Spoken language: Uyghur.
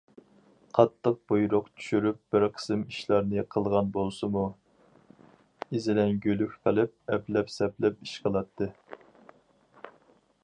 قاتتىق بۇيرۇق چۈشۈرۈپ بىر قىسىم ئىشلارنى قىلغان بولسىمۇ ئېزىلەڭگۈلۈك قىلىپ، ئەپلەپ- سەپلەپ ئىش قىلاتتى.